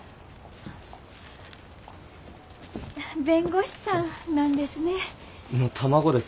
弁護士さんなんですね。の卵です。